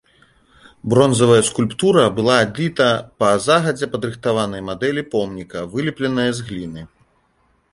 Бронзавая скульптура была адліта па загадзя падрыхтаванай мадэлі помніка, вылепленая з гліны.